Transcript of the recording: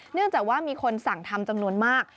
เนื่องจากว่ามีคนสั่งทำจำนวนมาก